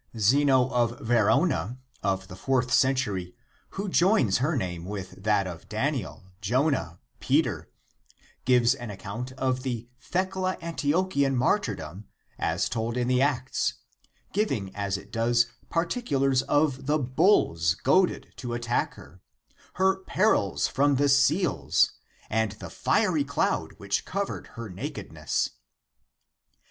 Zeno of Verona {De Timore)^ of the fourth century who joins her name with that of Daniel, Jonah, Peter gives an account of the Thecla Antiochian martyrdom as told in the Acts, giving as it does particulars of the bulls goaded to attack her, her perils from the seals, and the fiery cloud which covered her nakedness.